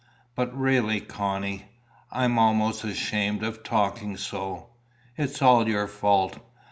But really, Connie, I am almost ashamed of talking so. It is all your fault.